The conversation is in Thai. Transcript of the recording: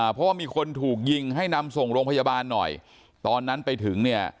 เพราะว่ามีคนถูกยิงให้นำส่งโรงพยาบาลหน่อยตอนนั้นไปถึงเนี่ย